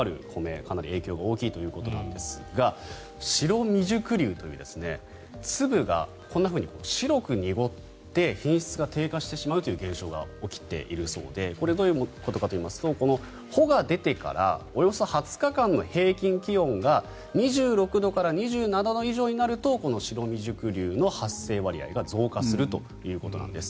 かなり影響が大きいということなんですが白未熟粒という粒がこんなふうに白く濁って品質が低下してしまうという現象が起きているそうでどういうことかといいますと穂が出てからおよそ２０日間の平均気温が２６度から２７度以上になるとこの白未熟粒の発生割合が増加するということなんです。